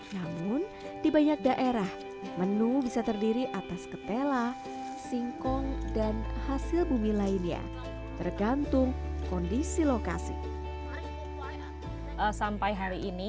namun di banyak daerah menu bisa terdiri atas ketela singkong dan hasil bumi lainnya tergantung kondisi lokasi